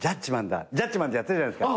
ジャッジマンってやってたじゃないですか。